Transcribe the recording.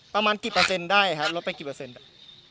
ประมาณกี่เปอร์เซ็นต์ได้ครับลดไปกี่เปอร์เซ็นต์